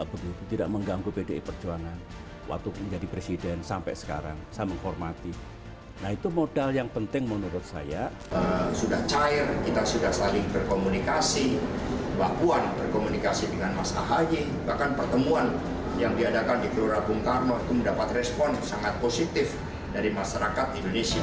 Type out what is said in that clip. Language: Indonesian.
bapak berkomunikasi dengan mas ahayi bahkan pertemuan yang diadakan di keluarga bung karno itu mendapat respon sangat positif dari masyarakat indonesia